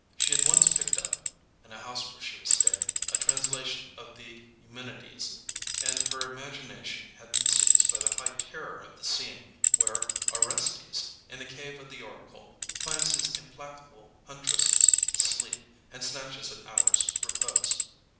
She had once picked up, in a house where she was staying, a translation of the EUMENIDES, and her imagination had been seized by the high terror of the scene where Orestes, in the cave of the oracle, finds his implacable huntresses asleep, and snatches an hour's repose.